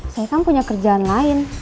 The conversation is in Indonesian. saya kan punya kerjaan lain